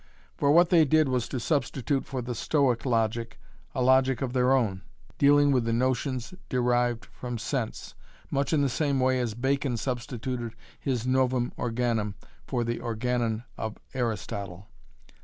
For what they did was to substitute for the Stoic logic a logic of their own, dealing with the notions derived from sense, much in the same way as Bacon substituted his Novum Organum for the Organon of Aristotle.